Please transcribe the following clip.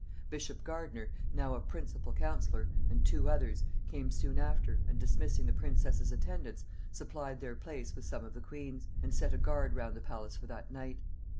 Bishop Gardiner, now a principal counsellor, and two others, came soon after, and, dismissing the princess's attendants, supplied their place with some of the queen's, and set a guard round the palace for that night.